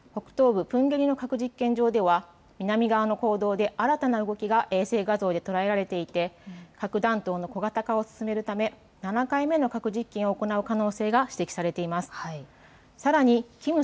２０１８年に閉鎖したとした北東部プンゲリの核実験場では南側の坑道で新たな動きが衛星画像で捉えられていて核弾頭の小型化を進めるため７回目の核実験を行う可能性が指摘されています。